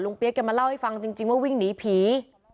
เปี๊ยกแกมาเล่าให้ฟังจริงว่าวิ่งหนีผี